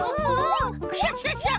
クシャシャシャ！